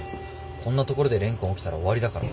こんなところで蓮くん起きたら終わりだから。